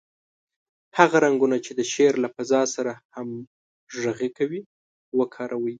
هغه رنګونه چې د شعر له فضا سره همغږي کوي، وکاروئ.